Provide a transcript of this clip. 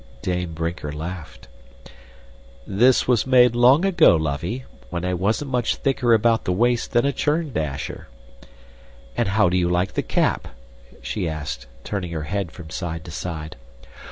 Dame Brinker laughed. "This was made long ago, lovey, when I wasn't much thicker about the waist than a churn dasher. And how do you like the cap?" she asked, turning her head from side to side.